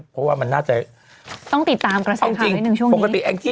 เพราะว่ามันน่าจะต้องติดตามกระใสข่าวในช่วงนี้จริงเองที่